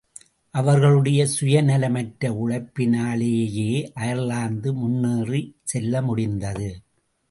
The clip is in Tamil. அவர்களுடைய சுயநலமற்ற உழைப்பினாலேயே அயர்லாந்து முன்னேறிச்செல்லமுடிந்தது.